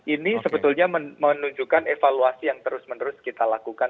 ini sebetulnya menunjukkan evaluasi yang terus menerus kita lakukan